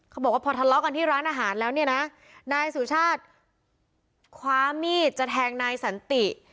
เขาบอกว่าพอทะเลาะกันที่ร้านอาหารแล้วเนี่ยนะนายสุชาติคว้ามีดจะแทงนายสันติ